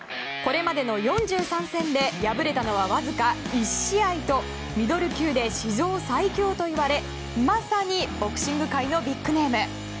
これまでの４３戦で敗れたのはわずか１試合とミドル級で史上最強と言われまさにボクシング界のビッグネーム。